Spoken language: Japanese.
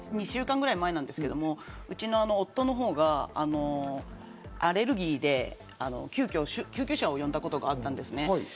２週間ぐらい前なんですけど、うちの夫のほうがアレルギーで救急車を呼んだことがあったんですね。